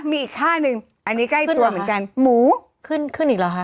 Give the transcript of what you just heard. มีอีกท่านึงอันนี้ใกล้ตัวเหมือนกันหมูขึ้นขึ้นอีกเหรอคะ